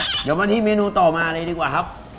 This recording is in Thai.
เดี๋ยวมาที่เมนูต่อมาเลยดีกว่าครับ